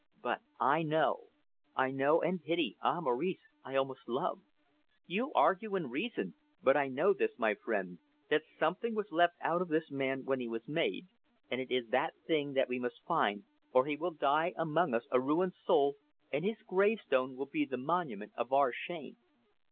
But I know. I know and pity ah, Maurice, I almost love. You argue, and reason, but I know this, my friend, that something was left out of this man when he was made, and it is that thing that we must find, or he will die among us a ruined soul, and his gravestone will be the monument of our shame.